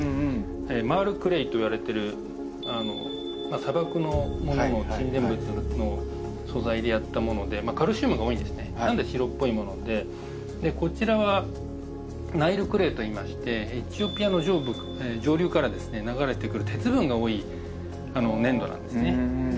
マールクレイといわれてる砂漠のものの沈殿物の素材でやったものでカルシウムが多いんですねなので白っぽいものででこちらはナイルクレイといいましてエチオピアの上部上流からですね流れてくる鉄分が多い粘土なんですねで